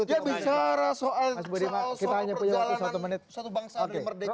ya bicara soal perjalanan satu bangsa dan merdeka